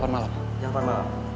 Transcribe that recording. jam delapan malam